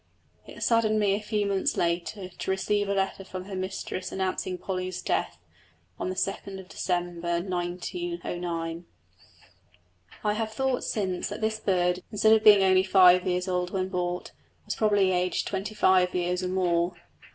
It saddened me a few months later to receive a letter from her mistress announcing Polly's death, on 2nd December 1909. I have thought since that this bird, instead of being only five years old when bought, was probably aged twenty five years or more.